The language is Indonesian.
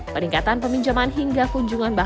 peningkatan peminjaman hingga kunjungan bantuan